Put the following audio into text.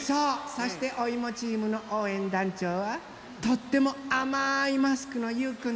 そしておいもチームのおうえんだんちょうはとってもあまいマスクのゆうくんです。